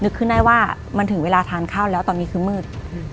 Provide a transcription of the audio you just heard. ขึ้นได้ว่ามันถึงเวลาทานข้าวแล้วตอนนี้คือมืด